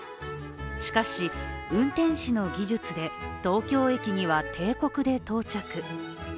しかし運転士の技術で東京駅には定刻で到着。